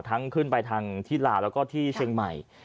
ทั้งขึ้นไปทางธิราแล้วก็ที่เชียงใหม่